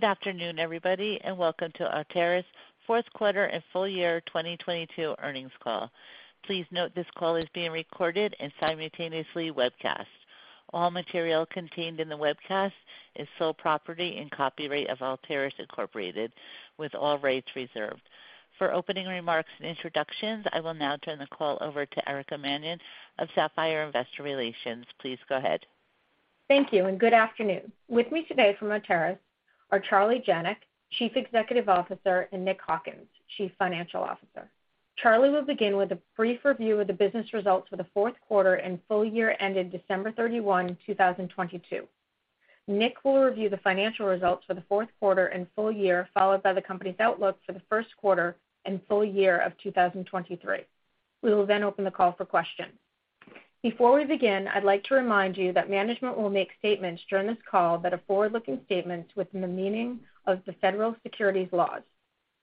Good afternoon, everybody, welcome to Arteris' Fourth Quarter and Full Year 2022 Earnings Call. Please note this call is being recorded and simultaneously webcast. All material contained in the webcast is sole property and copyright of Arteris, Inc, with all rights reserved. For opening remarks and introductions, I will now turn the call over to Erica Mannion of Sapphire Investor Relations. Please go ahead. Thank you and good afternoon. With me today from Arteris are Charlie Janac, Chief Executive Officer, and Nick Hawkins, Chief Financial Officer. Charlie will begin with a brief review of the business results for the fourth quarter and full year ended December 31, 2022. Nick will review the financial results for the fourth quarter and full year, followed by the company's outlook for the first quarter and full year of 2023. We will then open the call for questions. Before we begin, I'd like to remind you that management will make statements during this call that are forward-looking statements within the meaning of the federal securities laws.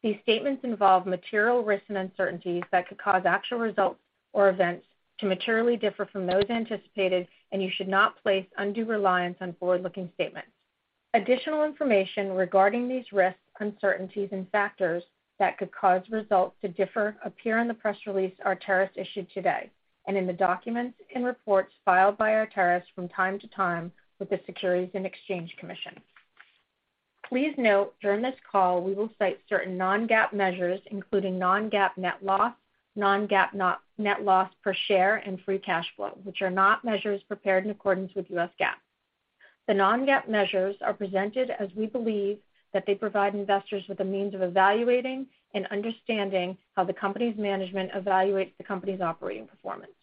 These statements involve material risks and uncertainties that could cause actual results or events to materially differ from those anticipated, and you should not place undue reliance on forward-looking statements. Additional information regarding these risks, uncertainties, and factors that could cause results to differ appear in the press release Arteris issued today and in the documents and reports filed by Arteris from time to time with the Securities and Exchange Commission. Please note that during this call, we will cite certain non-GAAP measures, including non-GAAP net loss, non-GAAP net loss per share, and free cash flow, which are not measures prepared in accordance with U.S. GAAP. The non-GAAP measures are presented as we believe that they provide investors with a means of evaluating and understanding how the company's management evaluates the company's operating performance.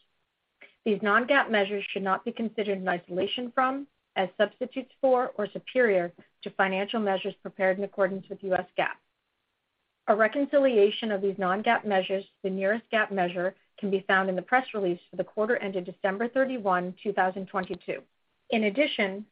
These non-GAAP measures should not be considered in isolation from, as substitutes for, or superior to financial measures prepared in accordance with U.S. GAAP. A reconciliation of these non-GAAP measures to the nearest GAAP measure can be found in the press release for the quarter ended December 31, 2022.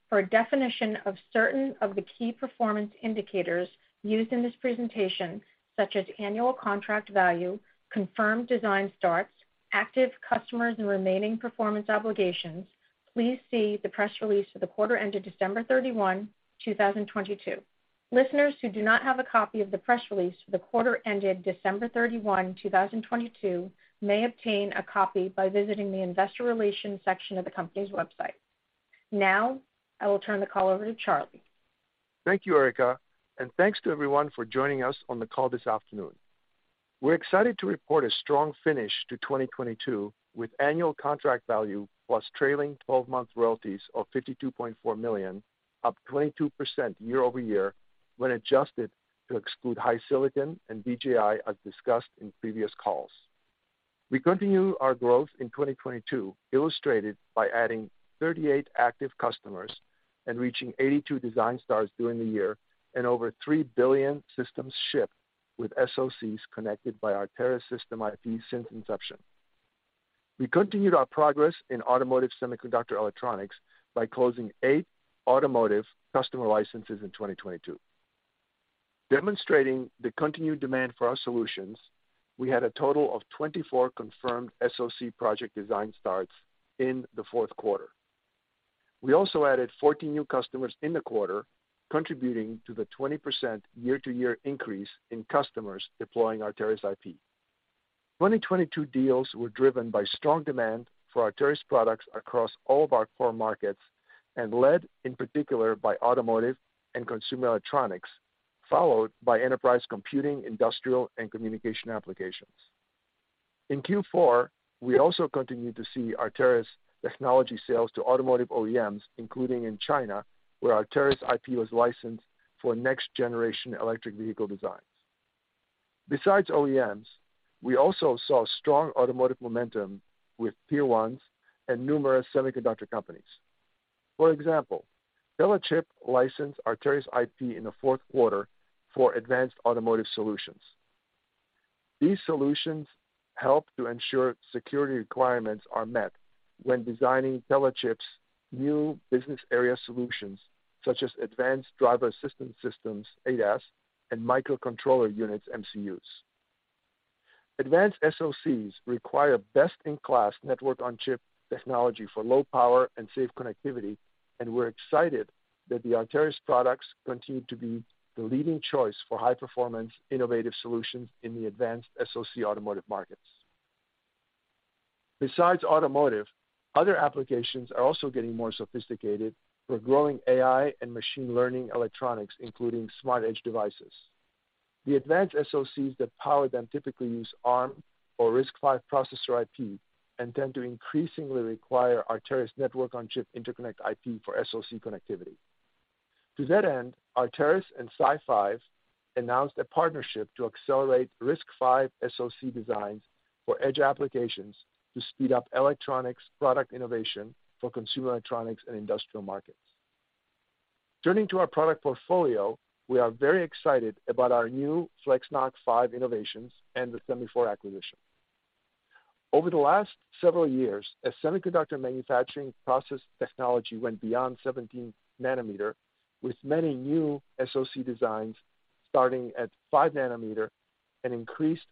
For a definition of certain of the key performance indicators used in this presentation, such as Annual Contract Value, confirmed design starts, active customers and Remaining Performance Obligations, please see the press release for the quarter ended December 31, 2022. Listeners who do not have a copy of the press release for the quarter ended December 31, 2022 may obtain a copy by visiting the investor relations section of the company's website. I will turn the call over to Charlie. Thank you, Erica. Thanks to everyone for joining us on the call this afternoon. We're excited to report a strong finish to 2022 with Annual Contract Value plus trailing 12-month royalties of $52.4 million, up 22% year-over-year when adjusted to exclude HiSilicon and DJI as discussed in previous calls. We continued our growth in 2022, illustrated by adding 38 active customers and reaching 82 design starts during the year and over 3 billion systems shipped with SoCs connected by Arteris system IP since inception. We continued our progress in automotive semiconductor electronics by closing eight automotive customer licenses in 2022. Demonstrating the continued demand for our solutions, we had a total of 24 confirmed SoC project design starts in the fourth quarter. We also added 14 new customers in the quarter, contributing to the 20% year-over-year increase in customers deploying Arteris' IP. 2022 deals were driven by strong demand for Arteris' products across all of our core markets and led in particular by automotive and consumer electronics, followed by enterprise computing, industrial, and communication applications. In Q4, we also continued to see Arteris' technology sales to automotive OEMs, including in China, where Arteris' IP was licensed for next-generation electric vehicle designs. Besides OEMs, we also saw strong automotive momentum with Tier 1s and numerous semiconductor companies. For example, Telechips licensed Arteris' IP in the fourth quarter for advanced automotive solutions. These solutions help to ensure security requirements are met when designing Telechips's new business area solutions such as advanced driver assistance systems, ADAS, and microcontroller units, MCUs. Advanced SoCs require best-in-class Network on Chip technology for low power and safe connectivity, and we're excited that the Arteris' products continue to be the leading choice for high-performance innovative solutions in the advanced SoC automotive markets. Besides automotive, other applications are also getting more sophisticated with growing AI and machine learning electronics, including smart edge devices. The advanced SoCs that power them typically use Arm or RISC-V processor IP and tend to increasingly require Arteris' Network on Chip interconnect IP for SoC connectivity. To that end, Arteris and SiFive announced a partnership to accelerate RISC-V SoC designs for edge applications to speed up electronics product innovation for consumer electronics and industrial markets. Turning to our product portfolio, we are very excited about our new FlexNoC 5 innovations and the Semifore acquisition. Over the last several years, as semiconductor manufacturing process technology went beyond 17 nm with many new SoC designs starting at 5 nm and increased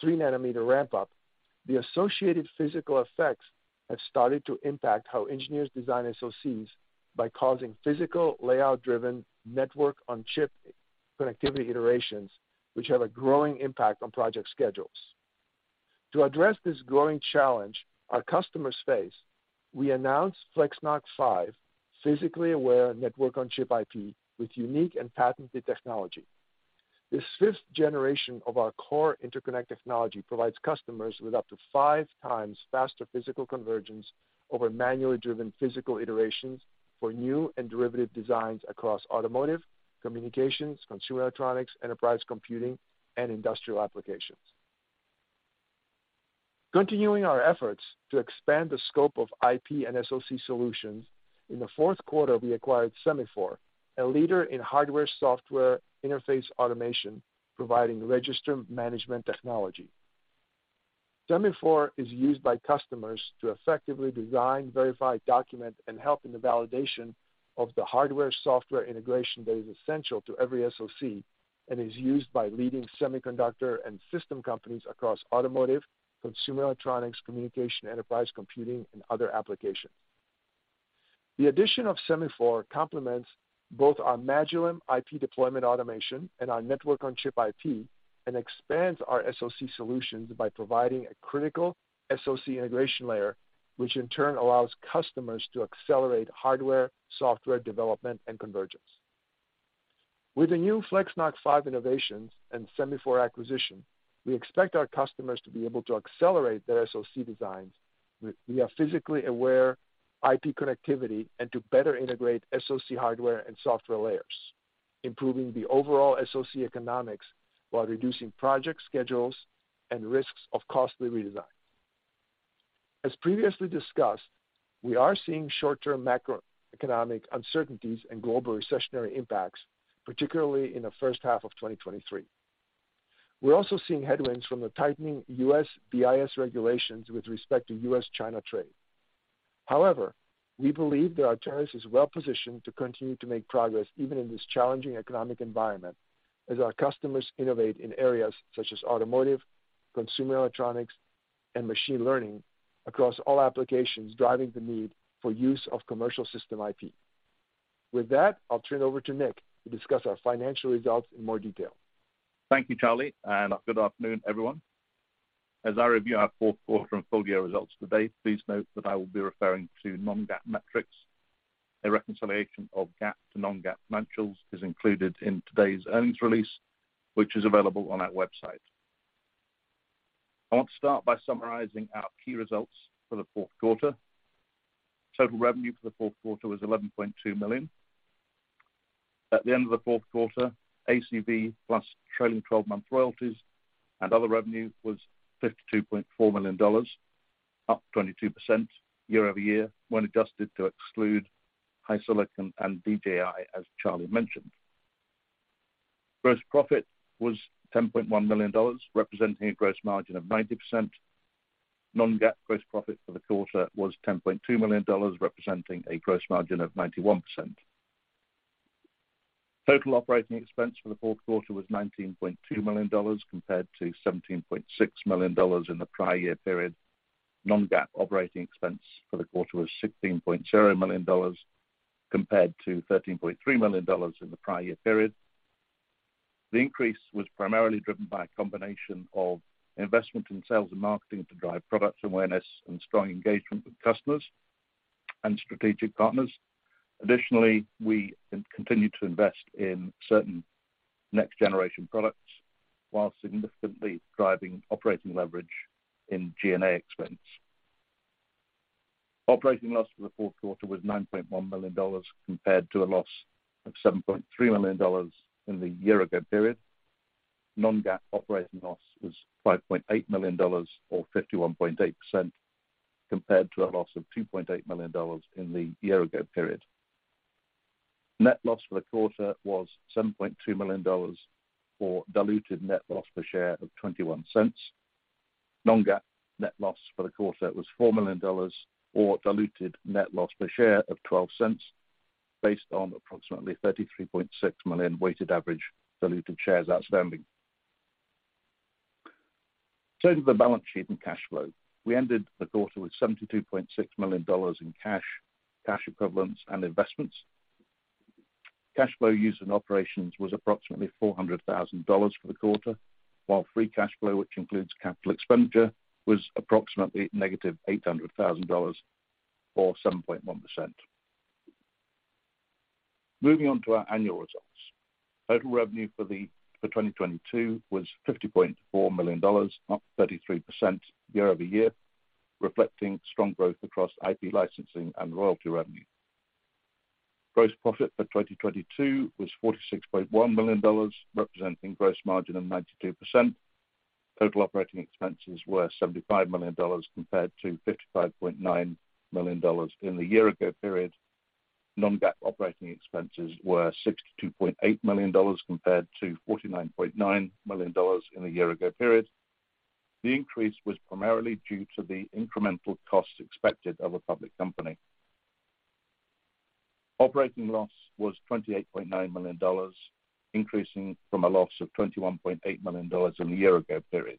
3 nm ramp-up, the associated physical effects have started to impact how engineers design SoCs by causing physical layout-driven Network on Chip connectivity iterations, which have a growing impact on project schedules. To address this growing challenge our customers face, we announced FlexNoC 5, physically aware Network on Chip IP with unique and patented technology. This fifth generation of our core interconnect technology provides customers with up to 5x faster physical convergence over manually driven physical iterations for new and derivative designs across automotive, communications, consumer electronics, enterprise computing and industrial applications. Continuing our efforts to expand the scope of IP and SoC solutions, in the fourth quarter, we acquired Semifore, a leader in hardware software interface automation, providing register management technology. Semifore is used by customers to effectively design, verify, document, and help in the validation of the hardware software integration that is essential to every SoC, and is used by leading semiconductor and system companies across automotive, consumer electronics, communication, enterprise computing, and other applications. The addition of Semifore complements both our Magillem IP deployment automation and our Network on Chip IP, and expands our SoC solutions by providing a critical SoC integration layer, which in turn allows customers to accelerate hardware, software development and convergence. With the new FlexNoC 5 innovations and Semifore acquisition, we expect our customers to be able to accelerate their SoC designs with via physically aware IP connectivity and to better integrate SoC hardware and software layers, improving the overall SoC economics while reducing project schedules and risks of costly redesign. As previously discussed, we are seeing short-term macroeconomic uncertainties and global recessionary impacts, particularly in the first half of 2023. We're also seeing headwinds from the tightening U.S. BIS regulations with respect to U.S. China trade. However, we believe that Arteris is well positioned to continue to make progress even in this challenging economic environment as our customers innovate in areas such as automotive, consumer electronics, and machine learning across all applications, driving the need for use of commercial system IP. With that, I'll turn it over to Nick to discuss our financial results in more detail. Thank you, Charlie. Good afternoon, everyone. As I review our fourth quarter and full year results today, please note that I will be referring to non-GAAP metrics. A reconciliation of GAAP to non-GAAP financials is included in today's earnings release, which is available on our website. I want to start by summarizing our key results for the fourth quarter. Total revenue for the fourth quarter was $11.2 million. At the end of the fourth quarter, ACV plus trailing 12 month royalties and other revenue was $52.4 million, up 22% year-over-year when adjusted to exclude HiSilicon and DJI, as Charlie mentioned. Gross profit was $10.1 million, representing a gross margin of 90%. Non-GAAP gross profit for the quarter was $10.2 million, representing a gross margin of 91%. Total operating expense for the fourth quarter was $19.2 million compared to $17.6 million in the prior year period. Non-GAAP operating expense for the quarter was $16.0 million compared to $13.3 million in the prior year period. The increase was primarily driven by a combination of investment in sales and marketing to drive product awareness and strong engagement with customers and strategic partners. Additionally, we continue to invest in certain next generation products while significantly driving operating leverage in G&A expense. Operating loss for the fourth quarter was $9.1 million compared to a loss of $7.3 million in the year ago period. non-GAAP operating loss was $5.8 million or 51.8% compared to a loss of $2.8 million in the year ago period. Net loss for the quarter was $7.2 million or diluted net loss per share of $0.21. Non-GAAP net loss for the quarter was $4 million or diluted net loss per share of $0.12 based on approximately 33.6 million weighted average diluted shares outstanding. Turning to the balance sheet and cash flow, we ended the quarter with $72.6 million in cash equivalents and investments. Cash flow used in operations was approximately $400,000 for the quarter, while free cash flow, which includes capital expenditure, was approximately -$800,000 or 7.1%. Moving on to our annual results. Total revenue for 2022 was $50.4 million, up 33% year-over-year, reflecting strong growth across IP licensing and royalty revenue. Gross profit for 2022 was $46.1 million, representing gross margin of 92%. Total operating expenses were $75 million compared to $55.9 million in the year ago period. Non-GAAP operating expenses were $62.8 million compared to $49.9 million in the year ago period. The increase was primarily due to the incremental costs expected of a public company. Operating loss was $28.9 million, increasing from a loss of $21.8 million in the year ago period.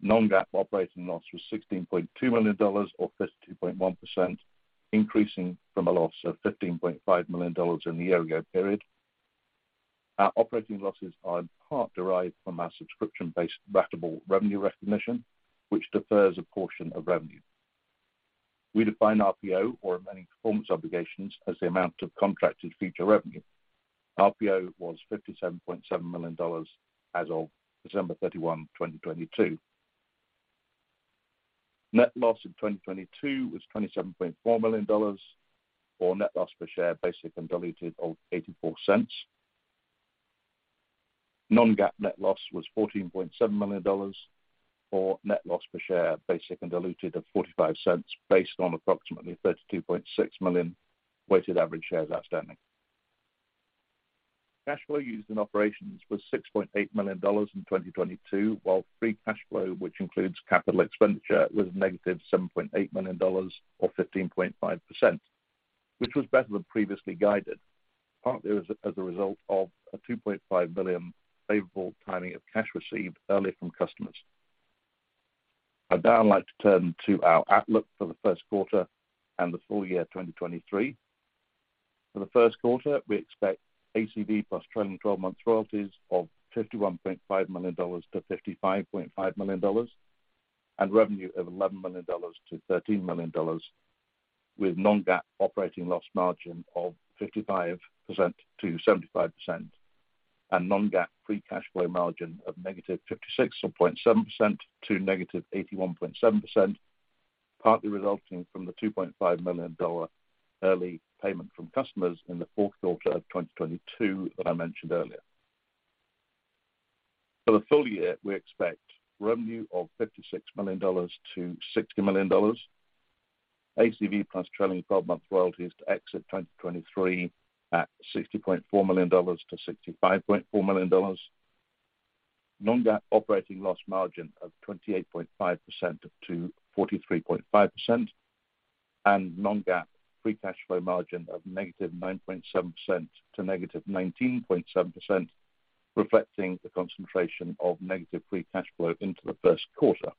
Non-GAAP operating loss was $16.2 million or 52.1%, increasing from a loss of $15.5 million in the year ago period. Our operating losses are in part derived from our subscription-based ratable revenue recognition, which defers a portion of revenue. We define RPO or Remaining Performance Obligations as the amount of contracted future revenue. RPO was $57.7 million as of December 31, 2022. Net loss in 2022 was $27.4 million, or net loss per share basic and diluted of $0.84. Non-GAAP net loss was $14.7 million, or net loss per share, basic and diluted of $0.45 based on approximately 32.6 million weighted average shares outstanding. Cash flow used in operations was $6.8 million in 2022, while free cash flow, which includes capital expenditure, was -$7.8 million or 15.5%, which was better than previously guided, partly as a result of a $2.5 million favorable timing of cash received earlier from customers. I'd now like to turn to our outlook for the first quarter and the full year 2023. For the first quarter, we expect ACV plus trailing 12 month royalties of $51.5 million to $55.5 million, and revenue of $11 million to $13 million with non-GAAP operating loss margin of 55%-75% and non-GAAP free cash flow margin of -56.7% to -81.7%, partly resulting from the $2.5 million early payment from customers in the fourth quarter of 2022 that I mentioned earlier. For the full year, we expect revenue of $56 million to $60 million. ACV plus trailing 12-month royalties to exit 2023 at $60.4 million to $65.4 million. Non-GAAP operating loss margin of 28.5%-43.5% and non-GAAP free cash flow margin of -9.7% to -19.7%, reflecting the concentration of negative free cash flow into the first quarter.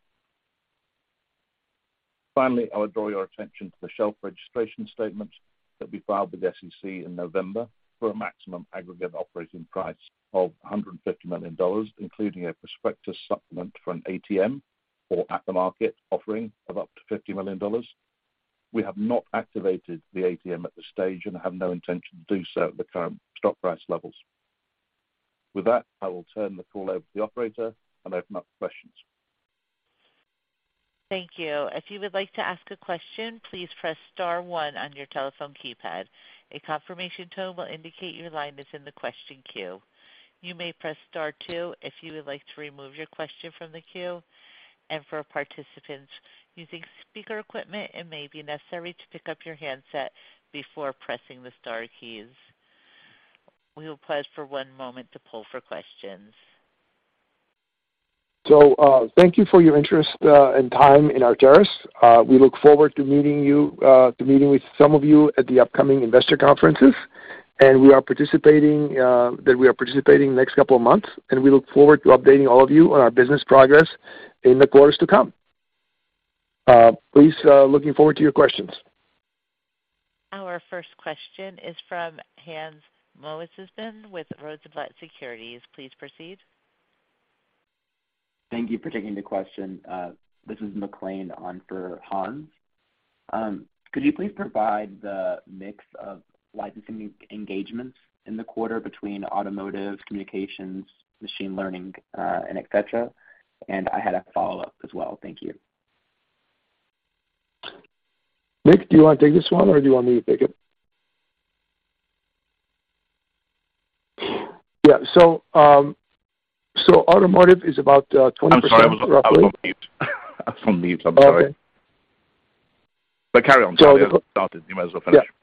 I would draw your attention to the shelf registration statement that we filed with the S.E.C. in November for a maximum aggregate operating price of $150 million, including a prospectus supplement for an ATM or at-the-market offering of up to $50 million. We have not activated the ATM at this stage and have no intention to do so at the current stock price levels. I will turn the call over to the operator and open up for questions. Thank you. If you would like to ask a question, please press star one on your telephone keypad. A confirmation tone will indicate your line is in the question queue. You may press star two if you would like to remove your question from the queue. For participants using speaker equipment, it may be necessary to pick up your handset before pressing the star keys. We will pause for one moment to poll for questions. Thank you for your interest and time in Arteris. We look forward to meeting with some of you at the upcoming Investor Conferences that we are participating in the next couple of months. We look forward to updating all of you on our business progress in the quarters to come. Please, looking forward to your questions. Our first question is from Hans Mosesmann with Rosenblatt Securities. Please proceed. Thank you for taking the question. This is Kevin on for Hans. Could you please provide the mix of licensing engagements in the quarter between automotive, communications, machine learning, and et cetera? I had a follow-up as well. Thank you. Nick, do you want to take this one, or do you want me to take it? Automotive is about 20%. Sorry. I started. You might as well finish.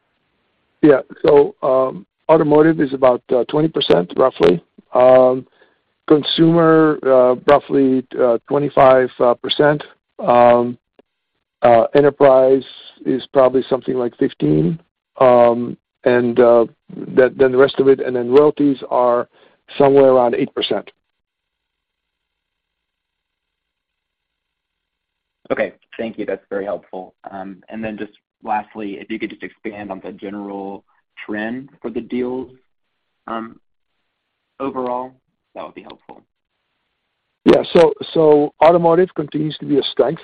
Automotive is about 20%, roughly. Consumer, roughly 25%. Enterprise is probably something like 15%. Then the rest of it, and then royalties are somewhere around 8%. Okay. Thank you. That's very helpful. Just lastly, if you could just expand on the general trend for the deals, overall, that would be helpful. Automotive continues to be a strength.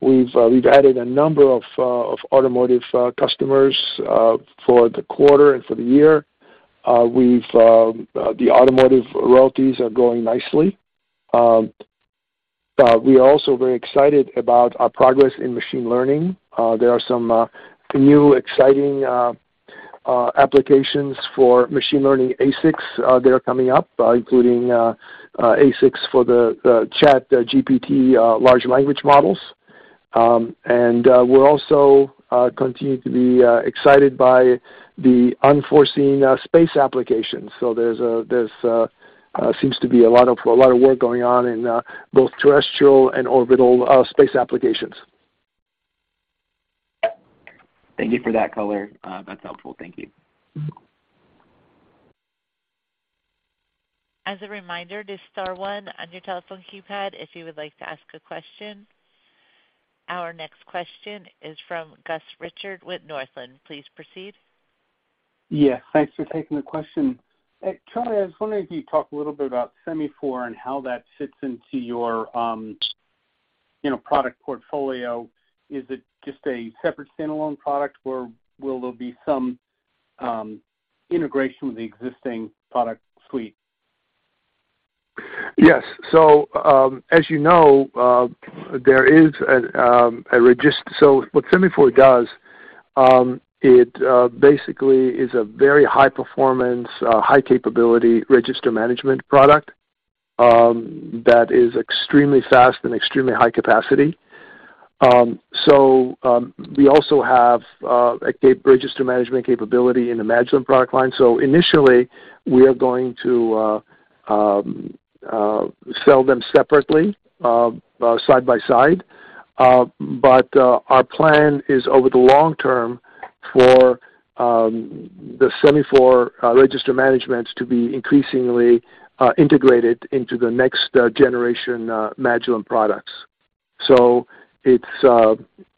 We've added a number of automotive customers for the quarter and for the year. We've the automotive royalties are growing nicely. We are also very excited about our progress in machine learning. There are some new exciting applications for machine learning ASICs that are coming up, including ASICs for the ChatGPT large language models. We're also continue to be excited by the unforeseen space applications. There's seems to be a lot of work going on in both terrestrial and orbital space applications. Thank you for that color. That's helpful. Thank you. As a reminder, just star one on your telephone keypad if you would like to ask a question. Our next question is from Gus Richard with Northland. Please proceed. Yes. Thanks for taking the question. Hey, Charlie, I was wondering if you could talk a little bit about Semifore and how that fits into your product portfolio. Is it just a separate standalone product, or will there be some integration with the existing product suite? Yes. As you know, there is an so what Semifore does, it basically is a very high-performance, high-capability register management product that is extremely fast and extremely high-capacity. We also have register management capability in the Magillem product line. Initially, we are going to sell them separately, side by side. Our plan is over the long term for the Semifore register managements to be increasingly integrated into the next generation Magillem products. It's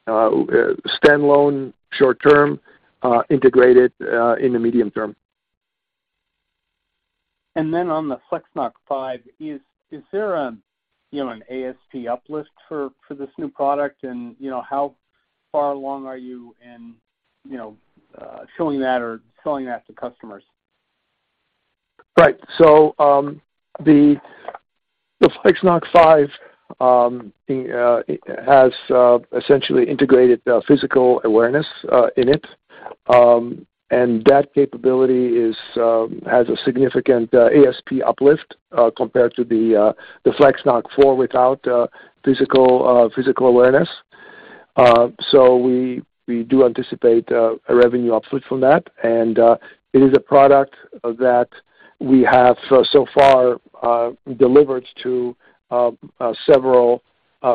standalone short term, integrated in the medium term. On the FlexNoC 5, is there an ASP uplift for this new product? And how far along are you in showing that or selling that to customers? Right. The FlexNoC 5 has essentially integrated physical awareness in it. That capability has a significant ASP uplift compared to the FlexNoC 4 without physical awareness. We do anticipate a revenue uplift from that. It is a product that we have so far delivered to several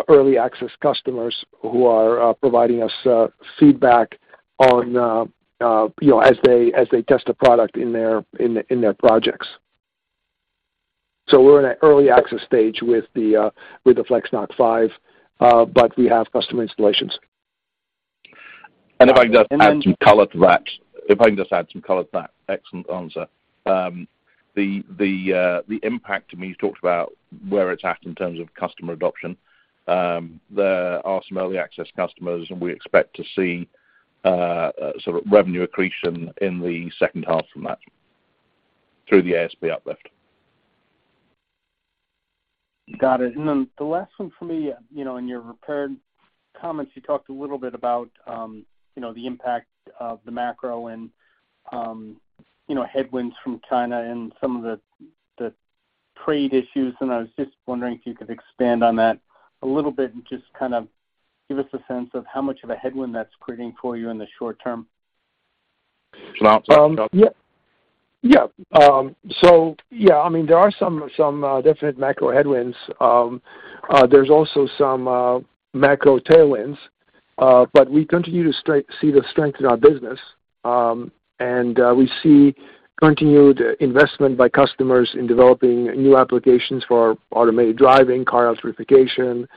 early access customers who are providing us feedback on, you know, as they test the product in their projects. We're in an early access stage with the FlexNoC 5, but we have customer installations. If I can just add some color to that excellent answer. The impact, I mean, you talked about where it's at in terms of customer adoption. There are some early access customers, we expect to see sort of revenue accretion in the second half from that through the ASP uplift. Got it. Then the last one for me. You know, in your prepared comments, you talked a little bit about, you know, the impact of the macro and, you know, headwinds from China and some of the trade issues. I was just wondering if you could expand on that a little bit and just kind of give us a sense of how much of a headwind that's creating for you in the short term. There are some definite macro headwinds. There's also some macro tailwinds, but we continue to see the strength in our business. We see continued investment by customers in developing new applications for automated driving, car electrification,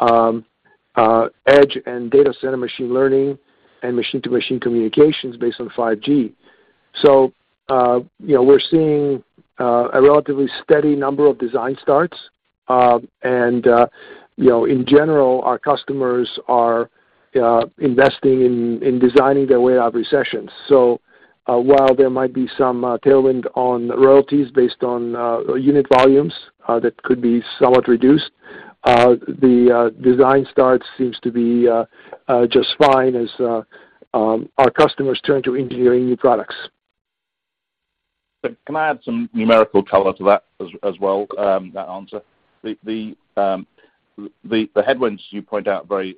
edge and data center machine learning and machine-to-machine communications based on 5G. We're seeing a relatively steady number of design starts. You know, in general, our customers are investing in designing their way out of recessions. While there might be some tailwind on royalties based on unit volumes, that could be somewhat reduced, the design starts seems to be just fine as our customers turn to engineering new products. Can I add some numerical color to that as well, that answer? The headwinds you point out are very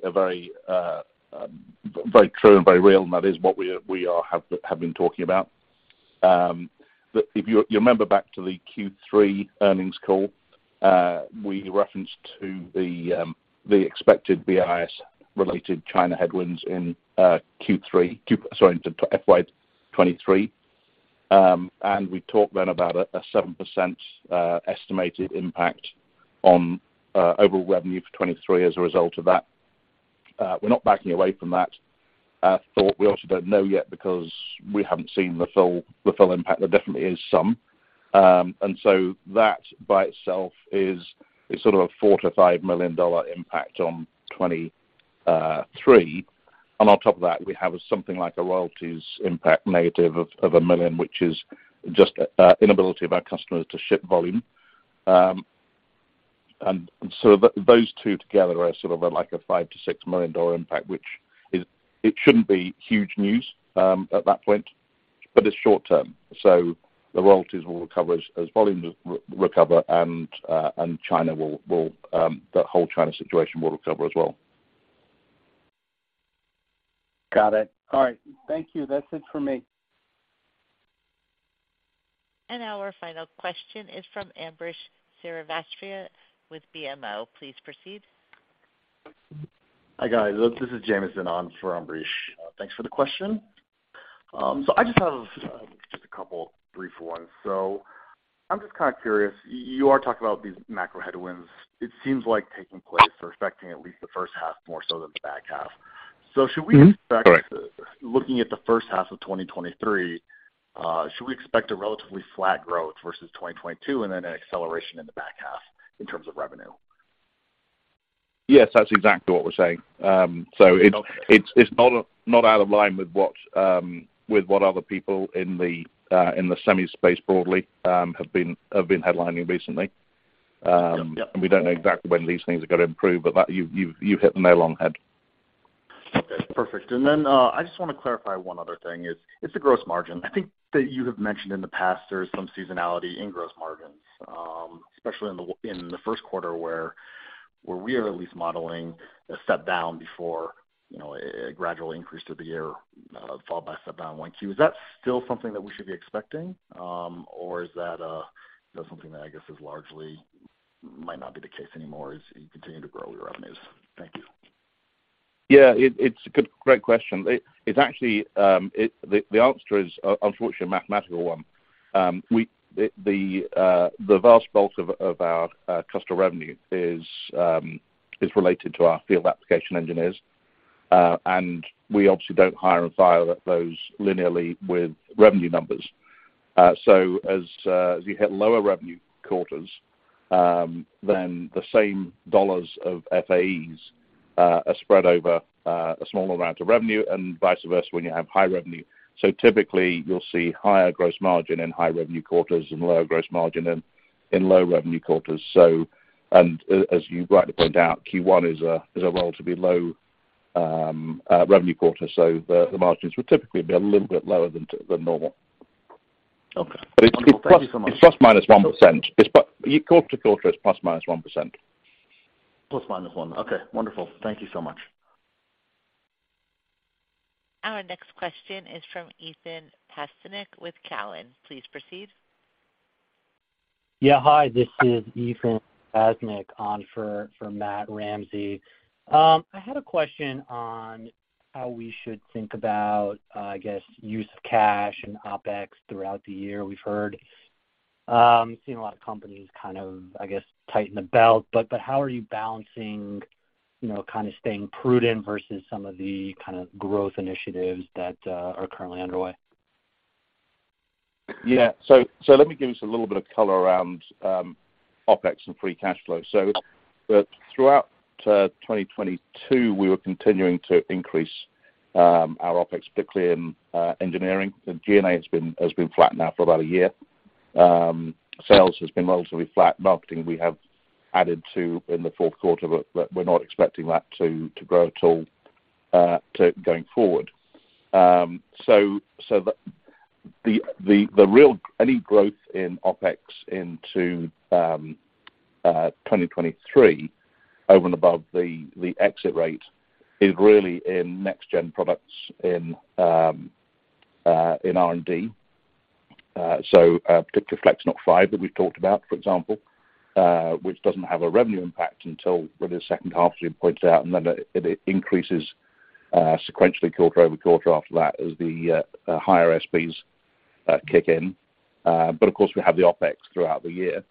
true and very real, and that is what we have been talking about. If you remember back to the Q3 Eearnings Call, we referenced to the expected BIS-related China headwinds in Q3, sorry, in FY 2023. We talked then about a 7% estimated impact on overall revenue for 2023 as a result of that. We're not backing away from that thought. We also don't know yet because we haven't seen the full impact. There definitely is some. That by itself is sort of a $4 million to $5 million impact on 2023. On top of that, we have something like a royalties impact negative of $1 million, which is just inability of our customers to ship volume. Those two together are like a $5 million to $6 million impact, which is it shouldn't be huge news at that point, but it's short-term. The royalties will recover as volumes recover and China will, the whole China situation will recover as well. Got it. All right. Thank you. That's it for me. Our final question is from Ambrish Srivastava with BMO. Please proceed. Hi, guys. This is Jamison on for Ambrish. Thanks for the question. I just have just a couple brief ones. I'm just kind of curious. You are talking about these macro headwinds, it seems like taking place or affecting at least the first half more so than the back half. Should we expect-? Looking at the first half of 2023, should we expect a relatively flat growth versus 2022 and then an acceleration in the back half in terms of revenue? Yes, that's exactly what we're saying. It's not out of line with what other people in the semi space broadly, have been headlining recently. We don't know exactly when these things are gonna improve, but that you've hit the nail on the head. Okay, perfect. I just wanna clarify one other thing is, it's the gross margin. I think that you have mentioned in the past there's some seasonality in gross margins, especially in the first quarter where we are at least modeling a step down before, you know, a gradual increase through the year, followed by a step down in 1Q. Is that still something that we should be expecting? Is that, you know, something that I guess is largely might not be the case anymore as you continue to grow your revenues? Thank you. It's a good, great question. It's actually the answer is unfortunately a mathematical one. We the vast bulk of our customer revenue is related to our Field Application Engineers. We obviously don't hire and fire those linearly with revenue numbers. As you hit lower revenue quarters, the same dollars of FAEs are spread over a smaller amount of revenue and vice versa when you have high revenue. Typically, you'll see higher gross margin in high revenue quarters and lower gross margin in low revenue quarters. As you rightly point out, Q1 is a relatively low revenue quarter. The margins would typically be a little bit lower than normal. Okay. It's ±1%. It's quarter-to-quarter, it's ±1%. ±1%. Okay, wonderful. Thank you so much. Our next question is from Ethan Potasnick with Cowen. Please proceed. Hi, this is Ethan Potasnick on for Matthew Ramsay. I had a question on how we should think about the use of cash and OpEx throughout the year. We've heard, seen a lot of companies kind of tighten the belt, but how are you balancing staying prudent versus some of the growth initiatives that are currently underway? Let me give you a little bit of color around OpEx and free cash flow. Throughout 2022, we were continuing to increase our OpEx, particularly in engineering. The G&A has been flat now for about a year. Sales has been relatively flat. Marketing, we have added to in the fourth quarter, but we're not expecting that to grow at all going forward. The real any growth in OpEx into 2023 over and above the exit rate is really in next-gen products in R&D. Particularly FlexNoC 5 that we've talked about, for example, which doesn't have a revenue impact until really the second half, as you pointed out, and then it increases sequentially quarter over quarter after that as the higher SPs kick in. Of course, we have the OpEx throughout the year.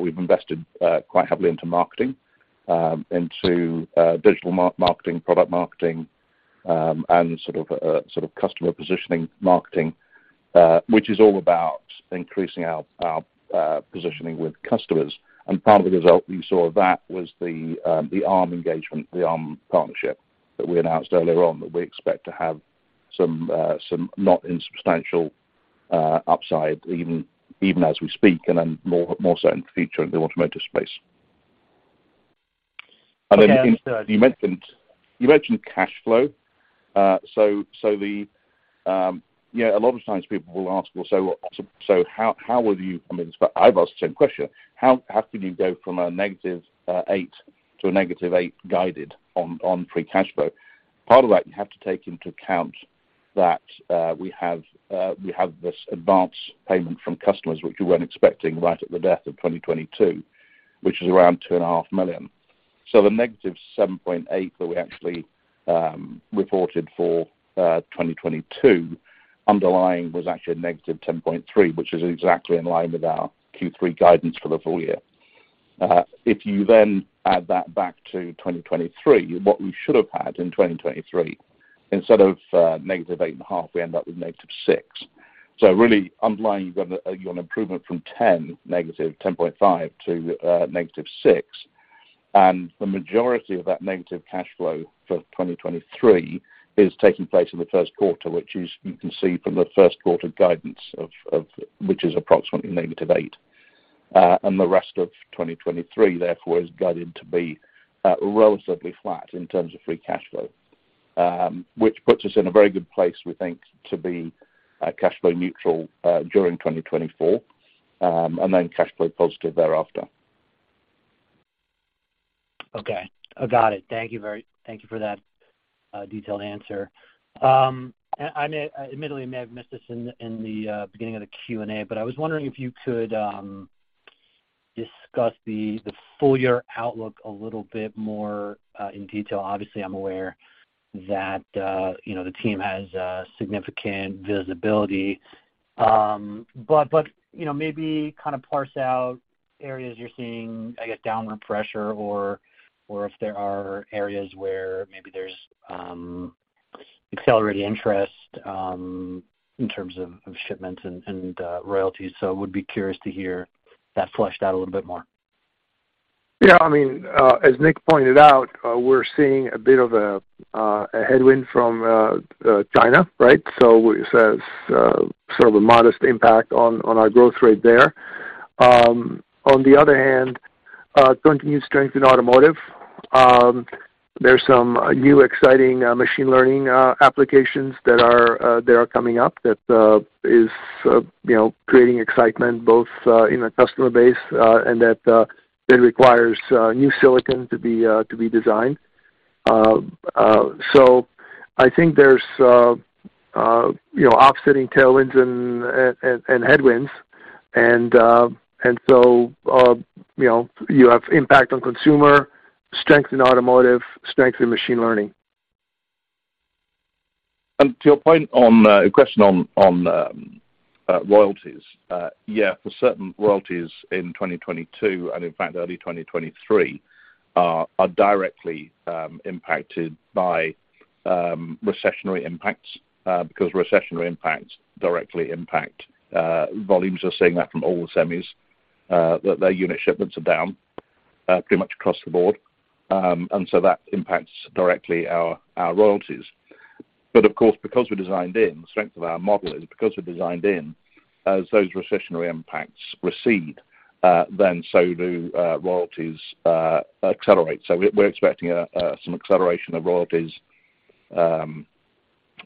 We've invested quite heavily into marketing, into digital marketing, product marketing, and sort of customer positioning marketing, which is all about increasing our positioning with customers. Part of the result we saw of that was the Arm engagement, the Arm partnership that we announced earlier on that we expect to have some not insubstantial upside even as we speak, and then more so in the future in the automotive space. You mentioned cash flow. A lot of times people will ask, "Well, so how will you", I've asked the same question. How can you go from a -$8 million to a -$8 million guided on free cash flow? Part of that, you have to take into account that we have this advance payment from customers, which we weren't expecting right at the death of 2022, which is around $2.5 million. The -$7.8 million that we actually reported for 2022 underlying was actually a -$10.3 million, which is exactly in line with our Q3 guidance for the full year. If you add that back to 2023, what we should have had in 2023, instead of -$8.5 million, we end up with -$6 million. Really underlying, you've got you're on improvement from -$10.5 million to -$6 million. The majority of that negative cash flow for 2023 is taking place in the first quarter, which is you can see from the first quarter guidance of which is approximately -$8 million. The rest of 2023, therefore, is guided to be relatively flat in terms of free cash flow. Which puts us in a very good place, we think, to be cash flow neutral during 2024, then cash flow positive thereafter. Okay. Got it. Thank you for that detailed answer. I may, admittedly may have missed this in the beginning of the Q&A, but I was wondering if you could discuss the full-year outlook a little bit more in detail. Obviously, I'm aware that the team has significant visibility. But, you know, maybe kind of parse out areas you're seeing downward pressure or if there are areas where maybe there's accelerated interest in terms of shipments and royalties. Would be curious to hear that fleshed out a little bit more. As Nick pointed out, we're seeing a bit of a headwind from China, right? It has a modest impact on our growth rate there. On the other hand, continued strength in automotive. There's some new exciting machine learning applications that are coming up that is, you know, creating excitement both in the customer base, and that it requires new silicon to be designed. I think there's, you know, offsetting tailwinds and headwinds. You have impact on consumer, strength in automotive, strength in machine learning. To your point on, question on royalties for certain royalties in 2022, and in fact early 2023, are directly impacted by recessionary impacts, because recessionary impacts directly impact volumes. We're seeing that from all the semis, that their unit shipments are down pretty much across the board. That impacts directly our royalties. Of course, because we're designed in, the strength of our model is because we're designed in, as those recessionary impacts recede, then so do royalties accelerate. We're expecting some acceleration of royalties in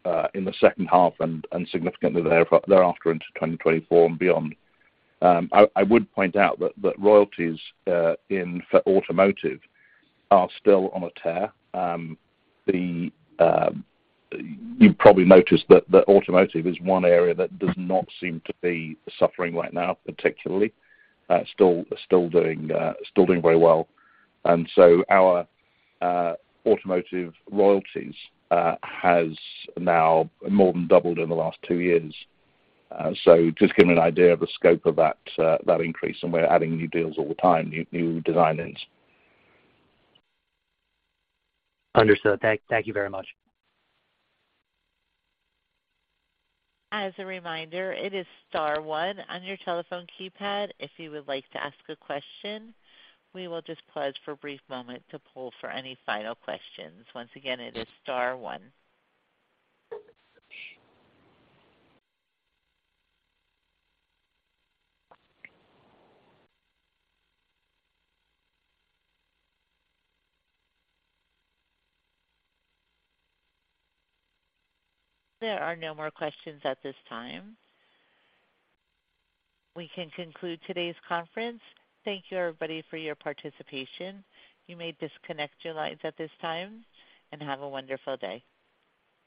the second half and significantly thereafter into 2024 and beyond. I would point out that royalties for automotive are still on a tear. You've probably noticed that automotive is one area that does not seem to be suffering right now, particularly. still doing very well. Our automotive royalties has now more than doubled in the last 2 years. Just give me an idea of the scope of that increase, and we're adding new deals all the time, new design-ins. Understood. Thank you very much. As a reminder, it is star one on your telephone keypad if you would like to ask a question. We will just pause for a brief moment to poll for any final questions. Once again, it is star one. There are no more questions at this time. We can conclude today's conference. Thank you, everybody, for your participation. You may disconnect your lines at this time, and have a wonderful day.